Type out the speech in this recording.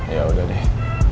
ya udah deh